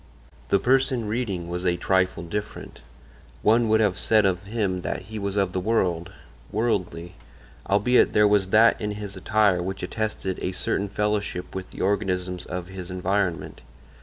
The person reading was a trifle different; one would have said of him that he was of the world, worldly, albeit there was that in his attire which attested a certain fellowship with the organisms of his environment.